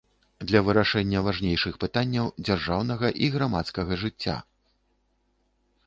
Для вырашэння важнейшых пытанняў дзяржаўнага і грамадскага жыцця.